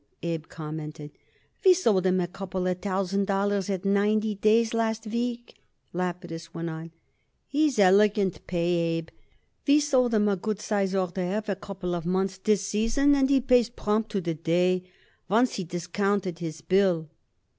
Abe commented. "We sold him a couple of thousand dollars at ninety days last week," Lapidus went on. "He's elegant pay, Abe. We sold him a good size order every couple of months this season, and he pays prompt to the day. Once he discounted his bill."